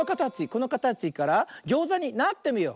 このかたちからギョーザになってみよう。